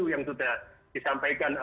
yang sudah disampaikan